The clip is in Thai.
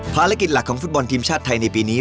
ภารกิจหลักของฟุตบอลทีมชาติไทยในปีนี้